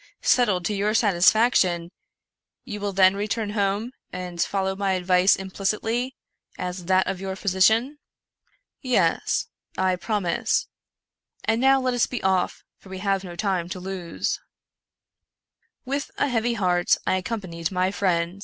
settled to your satisfaction, you will then return home and follow my advice implicitly, as that of your physician ?"" Yes ; I promise ; and now let us be off, for we have no time to lose." With a heavy heart I accompanied my friend.